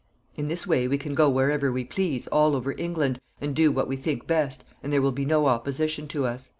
In this way we can go wherever we please, all over England, and do what we think best, and there will be no opposition to us."